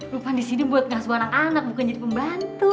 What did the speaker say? lumpaan disini buat ngasuh anak anak bukan jadi pembantu